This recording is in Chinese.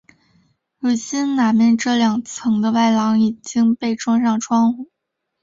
如今南面这两层的外廊已经被装上窗户。